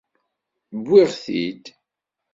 Wwiɣ-t-id.